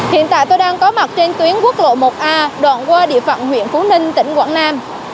hiện tại tôi đang có mặt trên tuyến quốc lộ một a đoạn qua địa phận huyện phú ninh tỉnh quảng nam